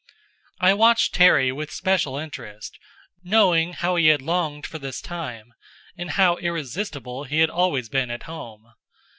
I watched Terry with special interest, knowing how he had longed for this time, and how irresistible he had always been at home.